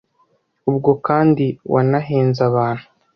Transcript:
ubwo kandi wanahenze abantu,